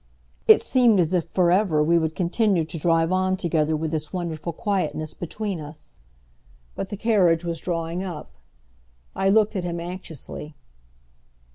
It seemed as if for ever we would continue to drive on together with this wonderful quietness between us. But the carriage was drawing up. I looked at him anxiously.